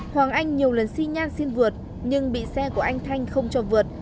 hoàng anh nhiều lần xi nhan xin vượt nhưng bị xe của anh thanh không cho vượt